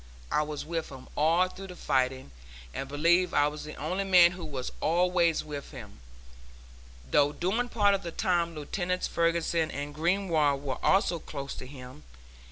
I was with him all through the fighting, and believe I was the only man who was always with him, though during part of the time Lieutenants Ferguson and Greenwald were also close to him.